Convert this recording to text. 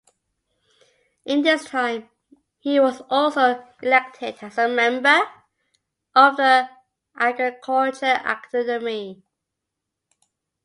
In this time, he was also elected as a member of the Agriculture Academy.